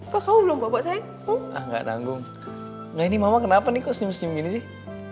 kok kamu belum bapak saya gak nanggung nah ini mama kenapa nih kok senyum senyum gini sih